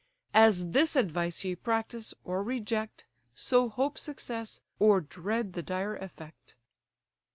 As this advice ye practise, or reject, So hope success, or dread the dire effect."